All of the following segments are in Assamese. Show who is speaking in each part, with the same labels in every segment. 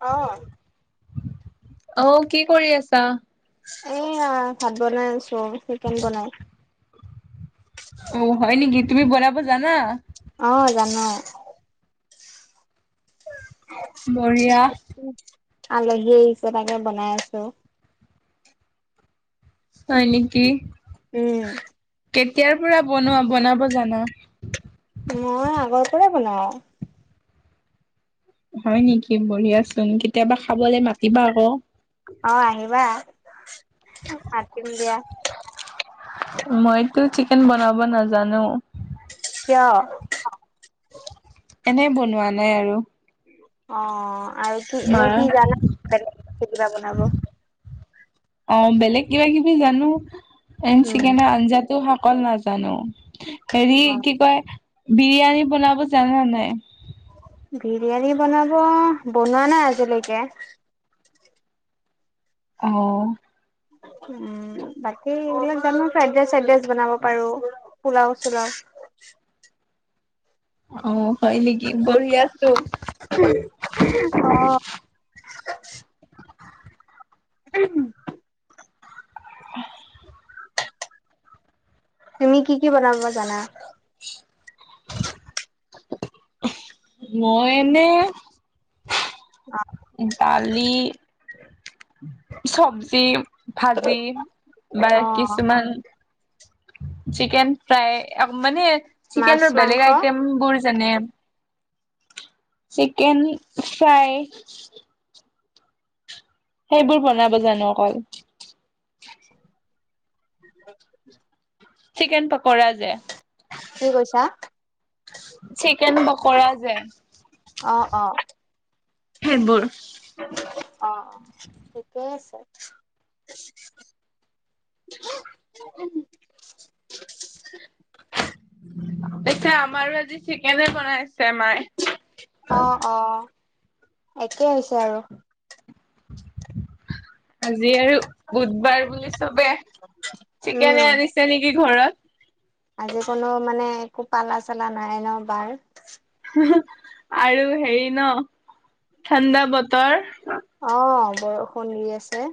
Speaker 1: অ
Speaker 2: অ কি কৰি আছা
Speaker 1: এয়া ভাত বনাই আছো চিকেন বনাই
Speaker 2: অ হয় নেকি তুমি বনাব জানা
Speaker 1: অ জানো
Speaker 2: বঢ়িয়া
Speaker 1: আলহী আহিছে তাকে বনাই আছো
Speaker 2: হয় নেকি
Speaker 1: উম,
Speaker 2: কেতিয়াৰ পৰা বনোৱা বনাব জানা
Speaker 1: মই আগৰ পৰাই বনাও
Speaker 2: হয় নেকি বঢ়িয়া চোন কেতিয়াবা খাবলৈ মাতিবা আকৌ
Speaker 1: অ আহিবা মাতিম দিয়া
Speaker 2: মইতো চিকেন বনাব নাজানো
Speaker 1: কিয়
Speaker 2: এনে বনোৱা নাই আৰু
Speaker 1: অ আৰু কি এনে
Speaker 2: মাৰ
Speaker 1: কি জানা কিবা বনাব
Speaker 2: অ বেলেগ কিবা কিবি জানো
Speaker 1: উম,
Speaker 2: চিকেনৰ আঞ্জাটো অকল নাজানো হেৰি
Speaker 1: অ
Speaker 2: কি কয় বিৰিয়ানী বনাব জানা নাই
Speaker 1: বিৰিয়ানী বনাব বনোৱা নাই আজিলৈকে
Speaker 2: অ
Speaker 1: উম বাকী এইবিলাক জানো ফ্ৰাইডৰাইচ চাইডৰাইচ বনাব পাৰো পোলাও চোলাও
Speaker 2: অ হয় নেকি বঢ়িয়া চোন
Speaker 1: অ' উম
Speaker 2: [unintelligible]
Speaker 1: তুমি কি, কি বনাবা জানা
Speaker 2: [unintelligible] মই এনে
Speaker 1: অ'
Speaker 2: দালি, চবজি ভাজি বা
Speaker 1: অ',
Speaker 2: কিছুমান চিকেন ফ্ৰাই মানে
Speaker 1: মাছ
Speaker 2: চিকেনৰ
Speaker 1: মাংস
Speaker 2: বেলেগ আইটেমবোৰ যেনে চিকেন ফ্ৰাই সেইবোৰ বনাব জানো অকল।
Speaker 1: [inaudible]
Speaker 2: চিকেন পাকৰা যে
Speaker 1: কি কৈছা?
Speaker 2: চিকেন পাকৰা যে
Speaker 1: অ অ
Speaker 2: সেইবোৰ
Speaker 1: অ', অ', ঠিকেই আছে।
Speaker 2: [inaudible] পিছে আমাৰো আজি চিকেনে বনাইছে মায়ে।
Speaker 1: অ', অ', একে হৈছে আৰু
Speaker 2: আজি আৰু বুধবাৰ বুলি চবে
Speaker 1: উম
Speaker 2: চিকেনে আনিছ ছে, নেকি ঘৰত?
Speaker 1: আজি কোনো মানে একো পালা-চালা নাই ন বাৰ?
Speaker 2: আৰু হেৰি ন ঠাণ্ডা বতৰ
Speaker 1: অ', বৰষুণ দি আছে।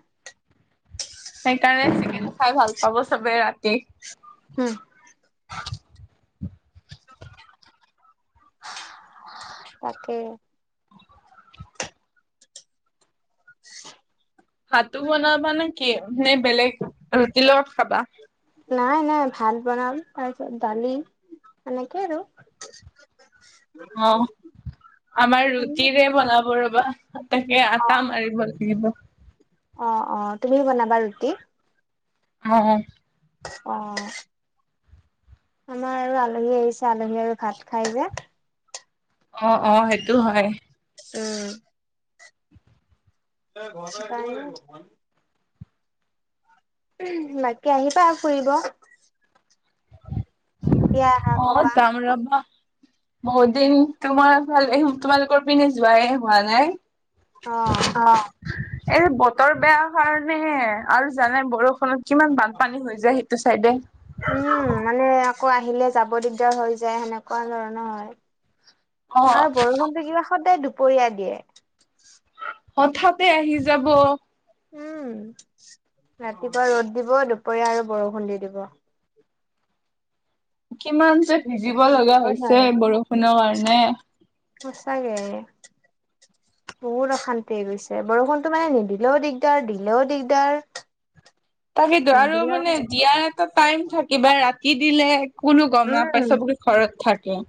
Speaker 2: সেইকাৰণে চিকেন খাই ভাল পাব চবে ৰাতি।
Speaker 1: উম।
Speaker 2: [inaudible]
Speaker 1: অকে। [inaudible]
Speaker 2: ভাতো বনাবা নেকি? নে বেলেগ ৰুটিৰ লগত খাবা?
Speaker 1: নাই, নাই, ভাত বনাম, তাৰপিছত দালি সেনেকে আৰু [inaudible]
Speaker 2: অ', আমাৰ ৰুটিৰে বনাব ৰ'বা তাকে,
Speaker 1: অ
Speaker 2: আটা মাৰিব লাগিব।
Speaker 1: অ', অ', তুমি বনাবা ৰুটি?
Speaker 2: অ', অ'।
Speaker 1: অ'। আমাৰ আৰু আলহী আহিছে, আলহী আৰু ভাত খাই যে
Speaker 2: অ', অ', সেইটো হয়।
Speaker 1: উম। [inaudible] বাকী আহিবা আৰু ফুৰিব কেতিয়া আহা
Speaker 2: অ',
Speaker 1: কবা
Speaker 2: যাম ৰ'বা বহুতদিন তোমাৰ ফালে, তোমালোকৰ পিনে যোৱাই হোৱা নাই।
Speaker 1: অ
Speaker 2: অ', এই বতৰ বেয়া কাৰণেহে আৰু জানাই বৰ ষুণত, কিমান বানপানী হৈ যায় সেইটো চাইডে।
Speaker 1: উম, মানে আকৌ আহিলে যাব দিগদাৰ হৈ যায়, সেনেকুৱা ধৰণৰ হয়।
Speaker 2: অ',
Speaker 1: আৰু বৰষুণটো কিবা সদায় দুপৰীয়া দিয়ে।
Speaker 2: হঠাতে আহি যাব
Speaker 1: উম, ৰাতিপুৱা ৰ'দ দিব, দুপৰীয়া আৰু বৰষুণ দি দিব।
Speaker 2: কিমান যে ভিজিব
Speaker 1: ধৰিব
Speaker 2: লগা হৈছে
Speaker 1: নোৱাৰি
Speaker 2: বৰষুণৰ কাৰণে।
Speaker 1: সচাকে অ'। বহুত অশান্তি হৈ গৈছে বৰষুণতো মানে নিদিলেও দিগদাৰ দিলেও দিগদাৰ।
Speaker 2: তাকে আৰু
Speaker 1: নিদিলেও
Speaker 2: মানে দিয়াৰ এটা টাইম থাকে বা ৰাতি দিলে কোনো গ'ম নাপায়
Speaker 1: উম,
Speaker 2: চবকে ঘৰত থাকে।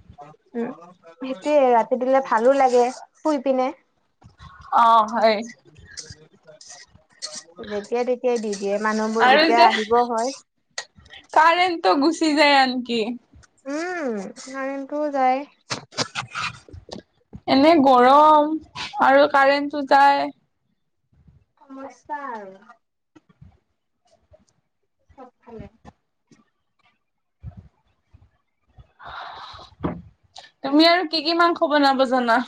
Speaker 1: উম সেইটোয়ে ৰাতি দিলে ভালো লাগে শুই পিনে।
Speaker 2: অ', হয়
Speaker 1: যেতিয়াই তেতিয়াই দি দিয়ে মানুহবোৰ
Speaker 2: আৰু
Speaker 1: যেতিয়া
Speaker 2: যে
Speaker 1: আহিব হয়
Speaker 2: কাৰেণ্টটো গুচি যায় আনকি
Speaker 1: উম, কাৰন্টো যায়।
Speaker 2: এনে গৰম আৰু কাৰেণ্টটো যায়।
Speaker 1: সমস্যা আৰু। চবফালে [unintelligible]
Speaker 2: তুমি আৰু কি, কি মাংস বনাব জানা?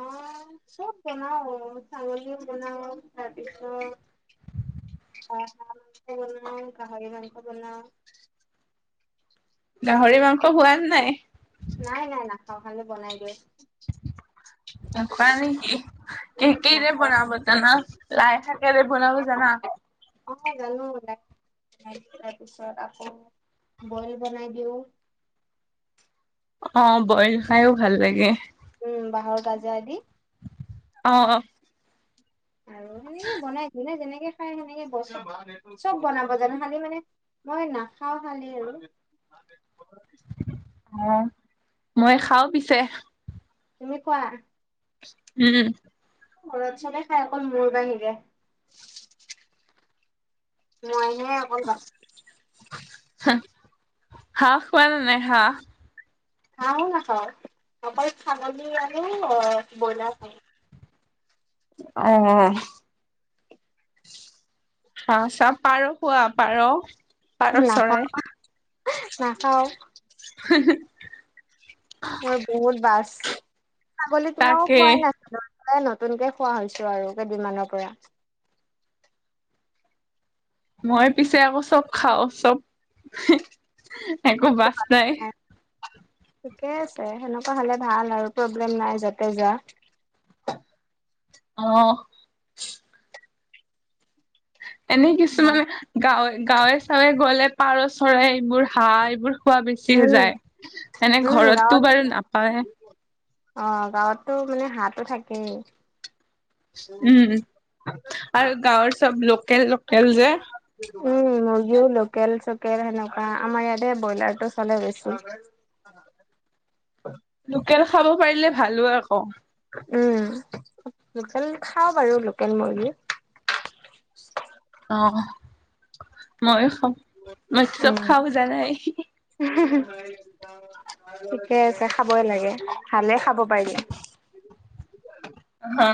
Speaker 1: অ', চব বনাও ছাগলীও বনাও তাৰপিছত বনাও গাহৰি মাংস বনাও
Speaker 2: গাহৰি মাংস খোৱা নে নাই?
Speaker 1: নাই, নাই নাখাওঁ খালি বনাই দিয়ো।
Speaker 2: নোখোৱা নেকি। কি
Speaker 1: উহু,
Speaker 2: কিৰে
Speaker 1: নাখাওঁ
Speaker 2: বনাব জানা লাই শাকেৰে বনাব জানা।
Speaker 1: অ', জানো লাই তাৰপিছত আকৌ বইল বনাই দিওঁ।
Speaker 2: অ', বইল খাইও ভাল লাগে।
Speaker 1: উম বাঁহৰ গাজা দি।
Speaker 2: অ', অ'।
Speaker 1: আৰু সেনেকে বনাই যোনে যেনেকে খাই সেনেকে বনাও চব বনাব জানোঁ খালি মানে মই নাখাও খালি আৰু [inaudible]
Speaker 2: অ', মই খাও পিছে
Speaker 1: তুমি খোৱা।
Speaker 2: উম।
Speaker 1: ঘৰত চবে খাই অকল মোৰ বাহিৰে। মইহে অকল বাছো।
Speaker 2: হাঁহ খোৱা নে নাই হাঁহ।
Speaker 1: হাঁহো নাখাও অকল ছাগলী আৰু অ', ব্ৰইলাৰ খাওঁ।
Speaker 2: অ', অ'। হাঁহ চাহ পাৰ খোৱা, পাৰ। পাৰ চৰাই
Speaker 1: নাখাওঁ, নাখাওঁ।
Speaker 2: হি হি
Speaker 1: মই বহুত বাছ ছাগলী তোমাও
Speaker 2: তাকে
Speaker 1: খোৱাই নাই। লৈ পেলাই নতুনকে খোৱা হৈছোঁ আৰু কেইদিনমানৰ পৰা
Speaker 2: মই পিছে আকৌ চব খাওঁ চব একো বাছ নাই।
Speaker 1: ঠিকে আছে, সেনেকুৱা হলে ভাল আৰু প্ৰব্লেম নাই যতে যোৱা
Speaker 2: অ'। এনেই কিছুমান গাঁৱে, গাঁৱে চাৱে গ'লে পাৰ চৰাই এইবোৰ হাঁহ এইবোৰ খোৱা বেছি হৈ
Speaker 1: উম
Speaker 2: যায় এনে
Speaker 1: উম
Speaker 2: ঘৰততো
Speaker 1: গাঁৱত
Speaker 2: বাৰু নাপাওৱে।
Speaker 1: অ', গাঁৱতটো মানে হাঁহ টো থাকেই
Speaker 2: উম, আৰু গাঁৱৰ চব লোকেল, লোকেল যে।
Speaker 1: উম, মুৰ্গীও লোকেল চোকেল সেনেকুৱা, আমাৰ ইয়াতে ব্ৰইলাৰ টো চলে বেছি। [inaudible] [inaudible]
Speaker 2: লোকেল খাব পাৰিলে ভালো আকৌ।
Speaker 1: উম', লোকেল খাওঁ বাৰু, লোকেল মুৰ্গী।
Speaker 2: অ', মইয়ো খাওঁ, মইটো চব
Speaker 1: উম।
Speaker 2: খাওঁ জানাই।
Speaker 1: ঠিকে আছে খাবই লাগে, ভালে খাব পাৰিলে।
Speaker 2: হা,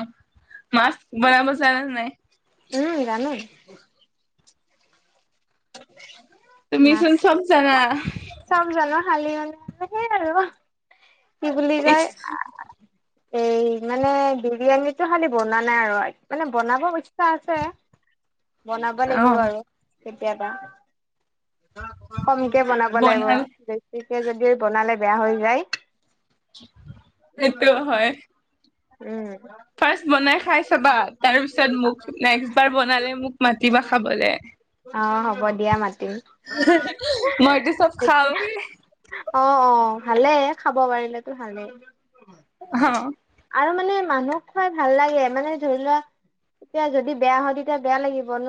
Speaker 2: মাছ বনাব জানা নাই?
Speaker 1: উম', জানো।
Speaker 2: তুমিছোন
Speaker 1: মাছ
Speaker 2: চব জানা।
Speaker 1: চব জানো, খালি মানে হেই আৰু। কি বুলি
Speaker 2: ইচ,
Speaker 1: কয়
Speaker 2: [inaudible]
Speaker 1: এই মানে বিৰিয়ানীটো খালি বনা নাই আৰু, মানে বনাব ইচ্ছা আছে বনাব লাগিব
Speaker 2: অ
Speaker 1: আৰু। কেতিয়াবা, কমকে বনাব লাগিব।
Speaker 2: বনাল
Speaker 1: [unintelligible] যদি বনালে বেয়া হৈ যায়
Speaker 2: সেইটোও হয়।
Speaker 1: উম'।
Speaker 2: ফাৰ্ষ্ট বনাই খাই চাবা, তাৰ পিছত মোক, নেক্সট বাৰ বনালে মোক মাতিবা খাবলে।
Speaker 1: অ', হ'ব দিয়া মাতিম।
Speaker 2: মইটো চব খাওঁ।
Speaker 1: অ', অ', ভালেই, খাব পাৰিলেতো ভালেই।
Speaker 2: অ'।
Speaker 1: আৰু মানে মানুহক খোৱাই ভাল লাগে, মানে ধৰি লোৱা এতিয়া যদি বেয়া হয়, তেতিয়া বেয়া লাগিব ন?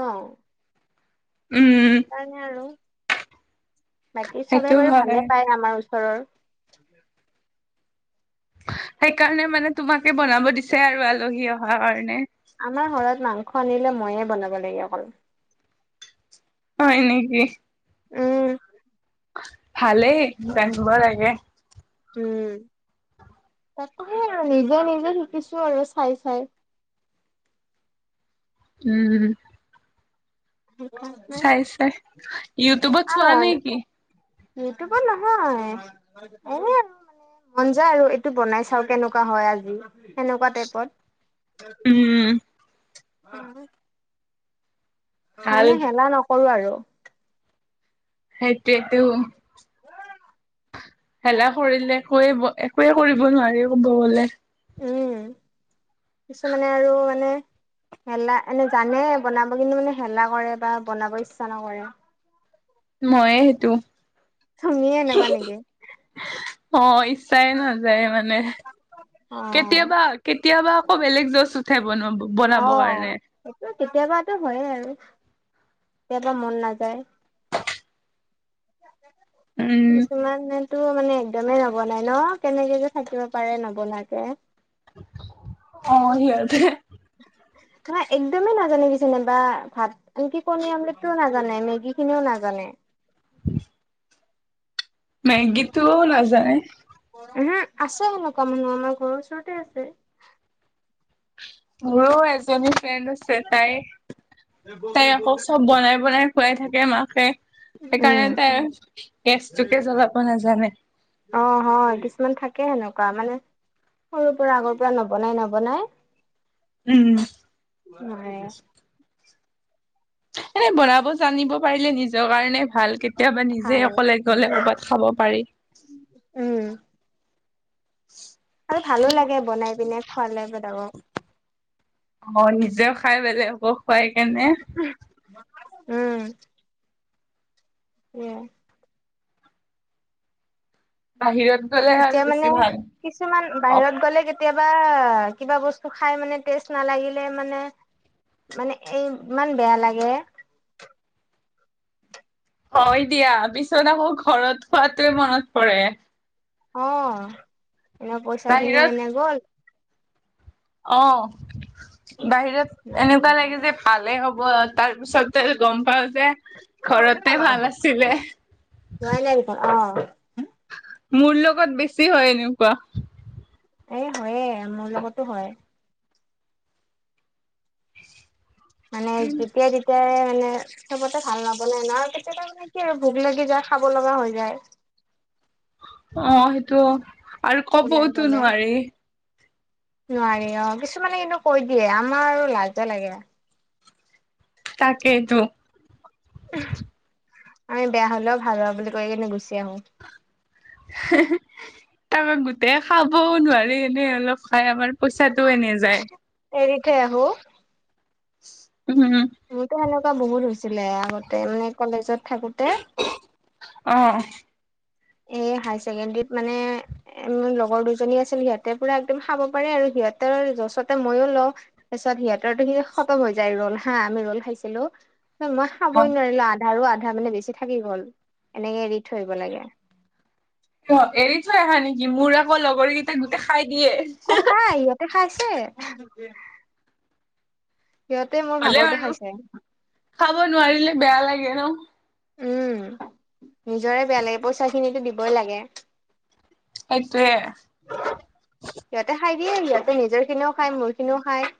Speaker 2: উম'।
Speaker 1: সেইকাৰণে আৰু বাকী চবে
Speaker 2: সেইটো
Speaker 1: বাৰু
Speaker 2: হয়
Speaker 1: ভালে পায় আমাৰ ওচৰৰ।
Speaker 2: সেইকাৰণে মানে তোমাকে বনাব দিছে আৰু, আলহী অহাৰ কাৰণে।
Speaker 1: আমাৰ ঘৰত মাংস আনিলে, মইয়ে বনাব লাগে অকল।
Speaker 2: হয় নেকি?
Speaker 1: উম'।
Speaker 2: ভালেই, জানিব লাগে।
Speaker 1: উম', তাকেহে আৰু, নিজে-নিজে শিকিছো আৰু চাই-চাই।
Speaker 2: উম'।
Speaker 1: সেইকাৰণে
Speaker 2: চাই-চাই, ইউটিউবত চোৱা
Speaker 1: আৰু
Speaker 2: নেকি?
Speaker 1: ইউটিউবত নহয়, এনে মন যায় আৰু, এইটো বনাই চাওঁ, কেনেকুৱা হয় আজি, সেনেকুৱা টাইপত। [inaudible]
Speaker 2: উম ভাল
Speaker 1: মানে হেলা নকৰো আৰু।
Speaker 2: সেইটোৱে টো। হেলা কৰিলে একৈ, একোৱে কৰিব নোৱাৰি ক'ব গ'লে।
Speaker 1: উম কিছুমানে আৰু মানে হেলা, এনে জানে বনাব কিন্তু মানে হেলা কৰে, বা বনাব ইচ্ছা নকৰে।
Speaker 2: মইয়ে সেইটো,
Speaker 1: তুমিয়ে এনেকুৱা নেকি?
Speaker 2: হয়। চাই নাযায় মানে,
Speaker 1: অ
Speaker 2: কেতিয়াবা কেতিয়াবা আকৌ বেলেগ জচ উ ঠে বনাব
Speaker 1: অ
Speaker 2: বনাবৰ কাৰণে
Speaker 1: সেইটো কেতিয়াবাতো হইয়ে আৰু, কেতিয়াবা মন নাযায়।
Speaker 2: উম
Speaker 1: কিছুমান মান টো মানে একদমেই নবনাই ন কেনেকে যে থাকিব পাৰে নবনাকে
Speaker 2: অ সিহতে
Speaker 1: নহ একদমেই নাজানে কি যেনবা ভাত আনকি কণীৰ আমলেটটোও নাজানে মেগী খিনিও নাজানে।
Speaker 2: [unintelligible] মেগীটো ও নাজায়
Speaker 1: হম আছ সেনেকুৱা মানুহ আমাৰ ঘৰৰ ওচৰতে আছে।
Speaker 2: মোৰো এজনী ফ্ৰেণ্ড আছে তাই তাই আকৌ চব বনাই বনাই খোৱাই থাকে মাকে সেইকাৰণে
Speaker 1: উম
Speaker 2: তাই গেছটোকে জ্বলাব নাজানে।
Speaker 1: অ হয় কিছুমান থাকে সেনেকুৱা মানে সৰুৰ পৰা আগৰ পৰা নবনাই নবনাই
Speaker 2: উম
Speaker 1: হৈয়ে
Speaker 2: এনে বনাব জানিব পাৰিলে নিজৰ কাৰণে ভাল কেতিয়াবা নিজে
Speaker 1: ভাল
Speaker 2: অকল লাগে গ'লে কৰবাত খাব পাৰি।
Speaker 1: উম
Speaker 2: [unintelligible]
Speaker 1: আৰু ভালো লাগে বনাই পিনে খোৱালে বেলেগক।
Speaker 2: অ নিজেও খাই বেলেগকো খুৱাই কেনে
Speaker 1: উম এ
Speaker 2: বাহিৰত গ'লে আৰু
Speaker 1: এতিয়া মানে
Speaker 2: বেছি ভাল
Speaker 1: কিছুমান
Speaker 2: অ
Speaker 1: বাহিৰত গ'লে কেতিয়াবা কিবা বস্তু খাই মানে টেষ্ট নালাগিলে মানে মানে এই ইমান বেয়া লাগে।
Speaker 2: হয় দিয়া পিছত আকৌ ঘৰত খোৱাতোৱে মনত পৰে।
Speaker 1: অ এনে পইচা খিনিও
Speaker 2: বাহিৰত
Speaker 1: এনে গ'ল
Speaker 2: অ বাহিৰত এনেকুৱা লাগে যে ভালে হ'ব তাৰ পিছতে গম পাও যে ঘৰতে ভাল আছিলে।
Speaker 1: ভয় লাগিব অ
Speaker 2: মোৰ লগত বেছি হয় এনেকুৱা।
Speaker 1: এই হয়ে মোৰ লগতো হয়। মানে যেতিয়াই তেতিয়াই তে মানে সবতে ভাল নবনাই ন। কেতিয়াবা মানে কি হয় মানে কি ভোক লাগি যায় খাব লগা হৈ যায়।
Speaker 2: অ সেইটো। আৰু
Speaker 1: ওলাই
Speaker 2: কবওতো
Speaker 1: গলে।
Speaker 2: নোৱাৰি
Speaker 1: নোৱাৰি অ কিছুমানে কিন্তু কৈ দিয়ে আমাৰ আৰু লাজে লাগে।
Speaker 2: তাকেই টো।
Speaker 1: আমি বেয়া হ'লেও ভাল হোৱা বুলি কৈ কিনে গুচি আহোঁ।
Speaker 2: [inaudible] তাৰা গোটেই খাবও নোৱাৰি এনেই অলপ খাই আমাৰ পইচাটোও এনে যায়।
Speaker 1: এৰি থৈ আহোঁ।
Speaker 2: উম, হম।
Speaker 1: মোৰটো সেনেকুৱা বহুত হৈছিলে আগতে মানে কলেজত থাকোঁতে।
Speaker 2: অ'।
Speaker 1: এই হাই ছেকেণ্ডৰীত মানে এ মোৰ লগৰ দুজনী আছিল সিহঁতে পুৰা একদম খাব পাৰে আৰু সিহঁতৰ জছতে মইও লওঁ। তাৰপিছত সিহঁতৰটো সি খতম হৈ যায় ৰ'ল হা আমি ৰ'ল খাইছিলোঁ। মই খাবই
Speaker 2: অ
Speaker 1: নোৱাৰিলোঁ আধাৰো আধা মানে বেছি থাকি গ'ল এনেকে এৰি থৈ আহিব লাগে।
Speaker 2: অ', এৰি থৈ আহা নেকি? মোৰ আকৌ লগৰ কেইটাক গোটেই খাই দিয়ে।
Speaker 1: অ', খাই সিহঁতে খাইছে। সিহঁতে মোৰ ভাগৰটো খাইছে।
Speaker 2: খাবই নোৱাৰিলে বেয়া লাগে ন'।
Speaker 1: উম, নিজৰে বেয়া লাগে পইচাখিনিটো দিবই লাগে।
Speaker 2: সেইটোৱেই।
Speaker 1: সিহঁতে খাই দিয়ে, সিহঁতে নিজৰখিনিও খায়, মোৰখিনিও খায়।